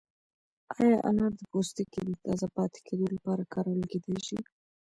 ایا انار د پوستکي د تازه پاتې کېدو لپاره کارول کیدای شي؟